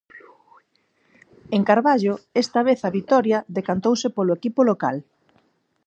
En Carballo esta vez a vitoria decantouse polo equipo local.